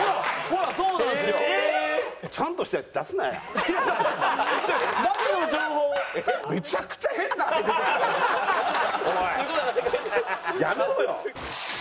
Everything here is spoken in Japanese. やめろよ！